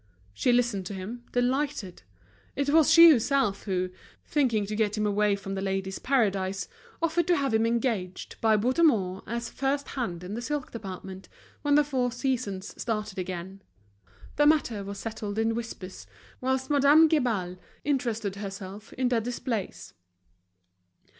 She listened to him, delighted. It was she herself who, thinking to get him away from The Ladies' Paradise, offered to have him engaged by Bouthemont as first hand in the silk department, when The Four Seasons started again. The matter was settled in whispers, whilst Madame Guibal interested herself in the displays.